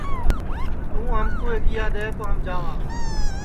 توں ہمکُو آیگیا دؔے تو ہم جاواں